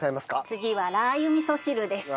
次はラー油味噌汁です。